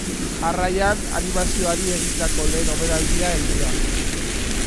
Jarraian, animazioari egindako lehen omenaldia heldu da.